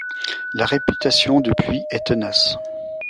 La réputation, depuis, est tenace.